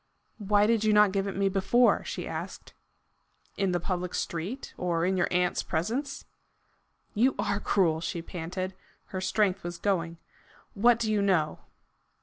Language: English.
"Why did you not give it me before?" she asked. "In the public street, or in your aunt's presence?" "You are cruel!" she panted. Her strength was going. "What do you know?"